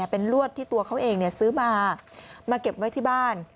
เป็นลวดที่ตัวเขาเองซื้อมามาเก็บไว้ที่บ้าน